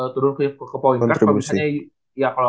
turun ke point guard kalau misalnya